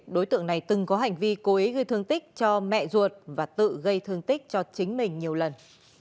đối tượng này từng có hành vi cố ý gây thương tích cho mẹ ruột và tự gây thương tích cho chính mình nhiều lần